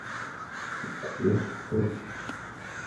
Buenos Aires, ed.